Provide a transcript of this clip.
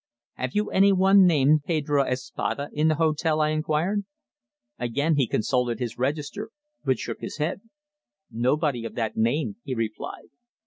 "Have you any one named Pedro Espada in the hotel?" I inquired. Again he consulted his register, but shook his head. "Nobody of that name," he replied.